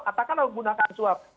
katakanlah menggunakan suap